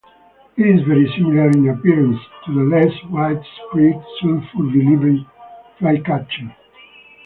It is very similar in appearance to the less widespread sulphur-bellied flycatcher.